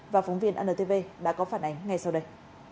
và phóng viên antv đã có phản ánh ngay sau đây